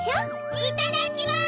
いただきます！